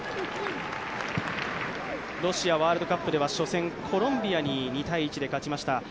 ロシアワールドカップでは初戦、コロンビアで２−１で勝ちました。